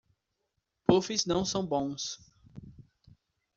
Puffs não são bons